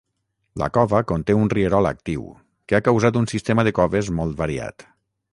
La cova conté un rierol actiu, que ha causat un sistema de coves molt variat.